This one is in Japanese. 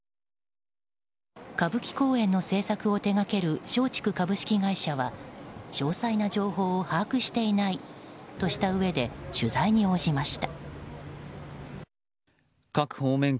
歌舞伎公演の制作を手掛ける松竹株式会社は詳細な情報を把握していないとしたうえで取材に応じました。